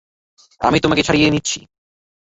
আমি তোমাকে ছাড়িয়ে নিচ্ছি!